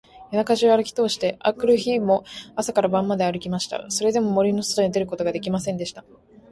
夜中じゅうあるきとおして、あくる日も朝から晩まであるきました。それでも、森のそとに出ることができませんでした。